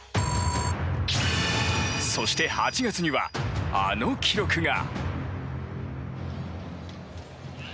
そして、８月にはあの記録が。